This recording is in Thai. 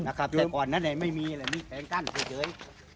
ุทาหรณ์คืนและแผงกั้นใช้เจย